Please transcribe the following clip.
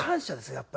やっぱり。